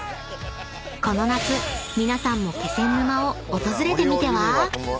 ［この夏皆さんも気仙沼を訪れてみては？］